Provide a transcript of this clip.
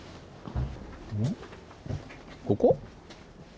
ここ？